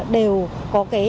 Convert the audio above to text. đều có cái